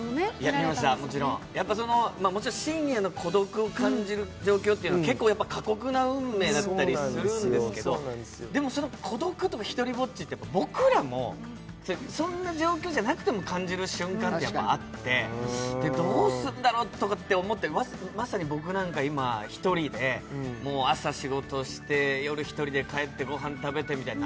見ました、もちろん信也の孤独を感じる状況は結構、過酷な運命だったりするんですけど、でも、孤独とか、ひとりぼっちって僕らもそんな状況じゃなくても感じる瞬間ってあって、どうするんだろうとかって思って、まさに僕なんかは今、１人で朝仕事して、夜１人で帰ってご飯食べてみたいな。